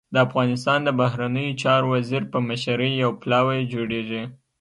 د افغانستان د بهرنیو چارو وزیر په مشرۍ يو پلاوی جوړېږي.